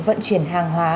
vận chuyển hàng hóa